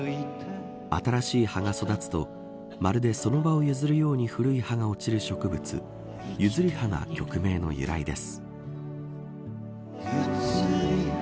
新しい葉が育つと、まるでその場を譲るように古い葉が落ちる植物ユズリハが曲名の由来です。